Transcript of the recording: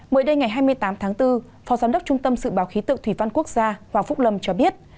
mới đây ngày hai mươi tám tháng bốn phó giám đốc trung tâm dự báo khí tượng thủy văn quốc gia hoàng phúc lâm cho biết